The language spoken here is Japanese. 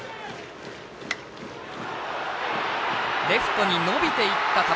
レフトに伸びていった球。